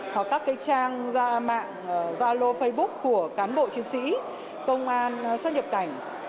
hoặc các trang mạng zalo facebook của cán bộ chiến sĩ công an xuất nhập cảnh